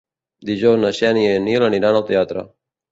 Dijous na Xènia i en Nil aniran al teatre.